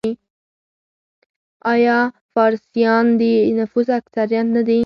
آیا فارسیان د نفوس اکثریت نه دي؟